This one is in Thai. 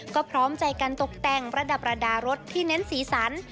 ก็พร้อมใจกันตกแต่งระดับระดารถที่เน้นสีสัน